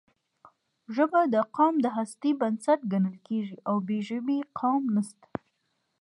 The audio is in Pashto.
ژبه د قام د هستۍ بنسټ ګڼل کېږي او بې ژبې قام نشته.